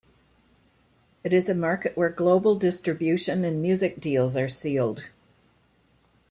It is a market where global distribution and music deals are sealed.